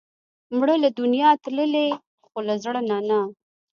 مړه له دنیا تللې، خو له زړه نه نه